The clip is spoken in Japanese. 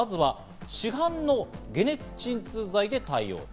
市販の解熱鎮痛剤で対応。